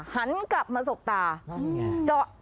หันกลับมาสกตา